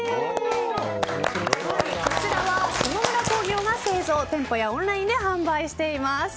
こちらは下村工業が製造店舗やオンラインで販売しています。